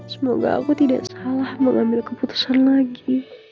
semoga aku tidak salah mengambil keputusan lagi